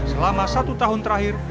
selama satu tahun terakhir